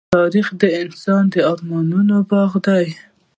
تاریخ د انسان د ارمانونو باغ دی.